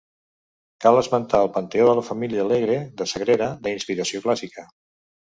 Cal esmentar el panteó de la família Alegre de Sagrera, d'inspiració clàssica.